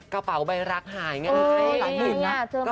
กระเป๋าใบรักหายไงหลายหมื่นนะ